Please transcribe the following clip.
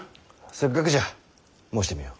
せっかくじゃ申してみよ。